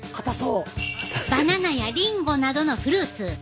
バナナやリンゴなどのフルーツ。